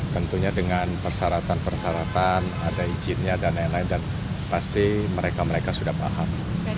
tentunya dengan persyaratan persyaratan ada izinnya dan lain lain dan pasti mereka mereka sudah paham